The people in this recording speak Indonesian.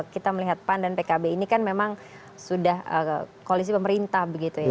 kita melihat pan dan pkb ini kan memang sudah kolisi pemerintah